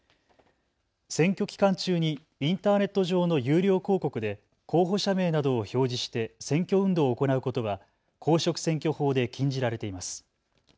選挙期間中にインターネット上の有料広告で候補者名などを表示して選挙運動を行うことは公職選挙法で禁じられています。